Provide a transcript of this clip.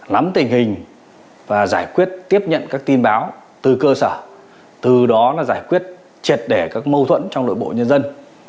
lắm tình hình và giải quyết tiếp nhận các tin báo từ cơ sở từ đó là giải quyết triệt để các mâu thuẫn trong đội bộ nhân dân